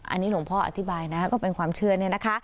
อันนี้หลวงพ่ออธิบายนะก็เป็นความเชื่อเนี่ยนะคะ